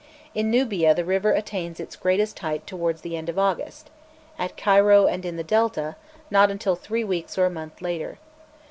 In Nubia the river attains its greatest height towards the end of August; at Cairo and in the Delta not until three weeks or a month later.